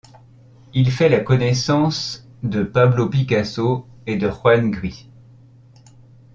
Il fait la connaissance de Pablo Picasso et de Juan Gris.